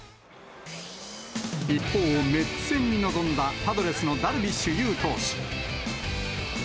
一方、メッツ戦に臨んだパドレスのダルビッシュ有投手。